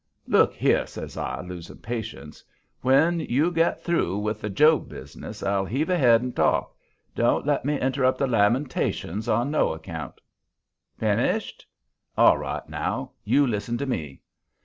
"Look here," says I, losing patience, "when you get through with the Job business I'll heave ahead and talk. Don't let me interrupt the lamentations on no account. Finished? All right. Now, you listen to me."